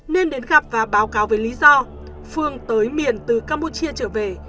nên đến gặp và báo cáo với lý do phương tới miền từ campuchia trở về